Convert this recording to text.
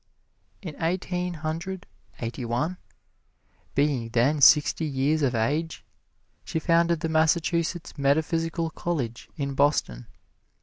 In Eighteen Hundred Eighty one, being then sixty years of age, she founded the Massachusetts Metaphysical College, in Boston.